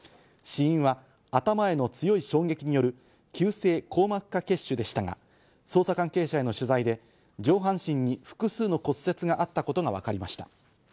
死因は頭への強い衝撃による急性硬膜化血腫でしたが、捜査関係者への取材で、上半身に複数の骨折があったことがわかりました。